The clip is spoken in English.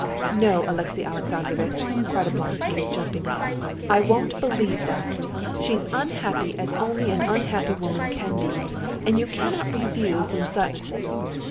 "No, Alexey Alexandrovitch!" cried Oblonsky, jumping up, "I won't believe that! She's unhappy as only an unhappy woman can be, and you cannot refuse in such...."